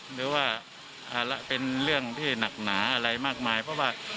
หรือว่าเป็นเรื่องที่หนักหนาอะไรมากมายเพราะว่า